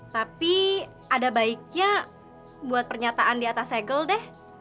tapi ada baiknya buat pernyataan di atas segel deh